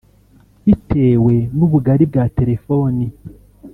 Bitewe n’ubugari bwa telefoni